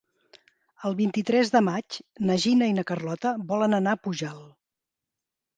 El vint-i-tres de maig na Gina i na Carlota volen anar a Pujalt.